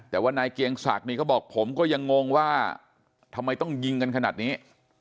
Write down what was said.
แต่ว่านายเกียงศักดิ์นี่เขาบอกผมก็ยังงงว่าทำไมต้องยิงกันขนาดนี้